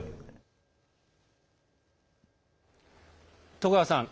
戸川さん